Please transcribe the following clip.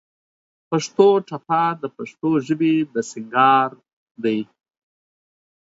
پښتو ټپه د پښتو ژبې د سينګار دى.